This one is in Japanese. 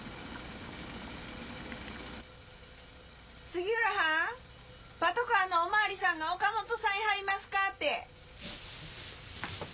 杉浦はん？パトカーのお巡りさんが岡本さんいはりますかって。